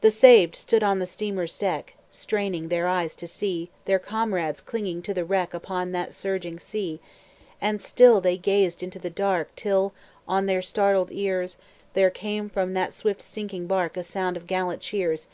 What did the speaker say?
The saved stood on the steamer's deck, Straining their eyes to see Their comrades clinging to the wreck Upon that surging sea; And still they gazed into the dark Till, on their startled ears, There came from that swift sinking bark A sound of gallant cheers.